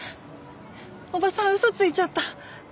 おばさん嘘ついちゃった。